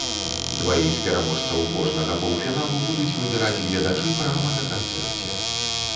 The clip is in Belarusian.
Дваіх пераможцаў кожнага паўфіналу будуць выбіраць гледачы прама на канцэрце.